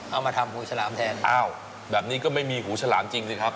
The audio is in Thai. เอามาทำหูฉลามแทนอ้าวแบบนี้ก็ไม่มีหูฉลามจริงสิครับ